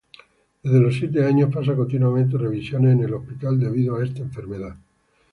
Desde los siete años, pasa continuamente revisiones en el hospital debido a esta enfermedad.